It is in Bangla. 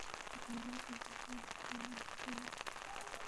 এটি হলো জামায়াতে ইসলামীর নায়েবে আমির মুহাম্মদ আবদুস সুবহানের বিরুদ্ধে মামলা।